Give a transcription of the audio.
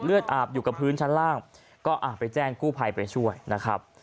อาบอยู่กับพื้นชั้นล่างก็ไปแจ้งกู้ภัยไปช่วยนะครับ